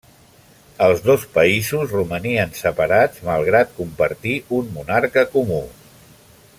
Els dos països romanien separats malgrat compartir un monarca comú.